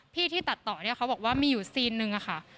ที่ที่ตัดต่อเนี่ยเขาบอกว่ามีอยู่ซีนนึงอะค่ะ